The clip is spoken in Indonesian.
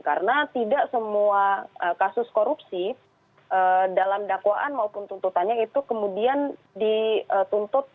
karena tidak semua kasus korupsi dalam dakwaan maupun tuntutannya itu kemudian dituntut